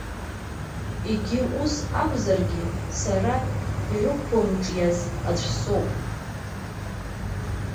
Егьа ус акәзаргьы, сара ирықәымҿиаз аӡәы соуп.